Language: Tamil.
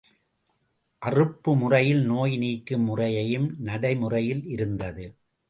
அறுப்பு முறையில் நோய் நீக்கும் முறையும் நடைமுறையில் இருந்தது.